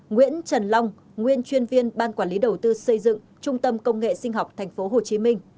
nguyễn trần long nguyên chuyên viên ban quản lý đầu tư xây dựng trung tâm công nghệ sinh học tp hcm